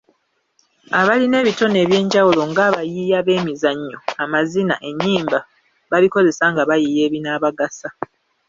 Abalina ebitone eby'enjawulo nga abayiiya b'emizannyo, amazina, ennyimba babikozese nga bayiiya ebinaabagasa.